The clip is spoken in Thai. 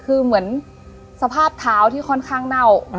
คือเหมือนสภาพเท้าที่ค่อนข้างเน่า